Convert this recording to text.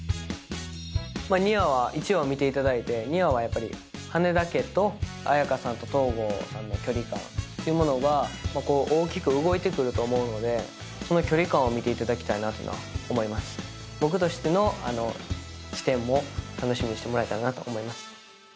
２話は１話を見ていただいて２話はやっぱり羽田家と綾華さんと東郷さんの距離感というものが大きく動いてくると思うのでその距離感を見ていただきたいなと思いますし僕としてのあの視点も楽しみにしてもらえたらなと思います